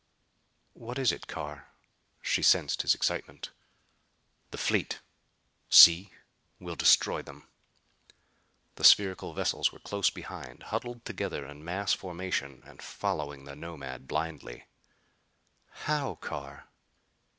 "What is it, Carr?" She sensed his excitement. "The fleet see! We'll destroy them." The spherical vessels were close behind, huddled together in mass formation and following the Nomad blindly. "How, Carr?"